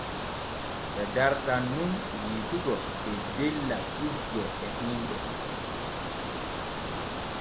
Ɓe dartan nun yiitugo teddella kujje e himɓe.